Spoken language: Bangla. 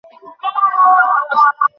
তিনি সার্কাস দল গঠনে কৃতনিশ্চয় হয়ে ওঠেন।